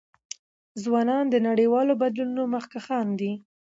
ځوانان د نړیوالو بدلونونو مخکښان دي.